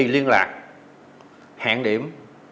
liên lạc hẹn điểm